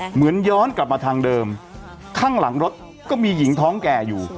เหมือนย้อนกลับมาทางเดิมข้างหลังรถก็มีหญิงท้องแก่อยู่